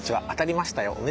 当たりましたよ。